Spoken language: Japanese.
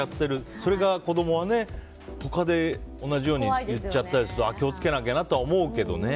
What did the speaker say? それを子供が他で同じように言っちゃったりすると気をつけなきゃなとは思うけどね。